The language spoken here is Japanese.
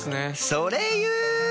それ言う！？